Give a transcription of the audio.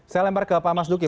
saya lempar ke pak mas duki